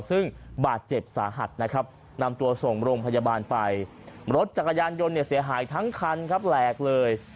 ซึ่งบาดเจ็บสาหัสนะครับนำตัวส่งโรงพยาบาลไปรถจักรยานยนต์เนี่ยเสียหายทั้งคันครับแหลกเลย